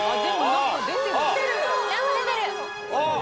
何か出てる。